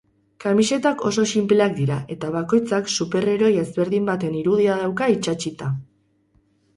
Kamisetak oso sinpleak dira eta bakoitzak super-heroi ezberdin baten irudia dauka itsatsita.